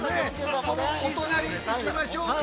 そのお隣行ってみましょうか。